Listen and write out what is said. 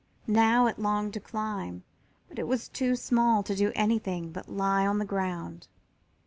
Now it longed to climb, but it was too small to do anything but lie on the ground.